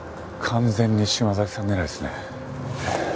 完全に島崎さん狙いですね。